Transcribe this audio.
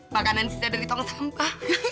makanan si cedri tong sama muka